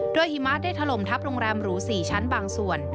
โดยหิมะได้ถล่มทับโรงแรมหรู๔ชั้นบางส่วน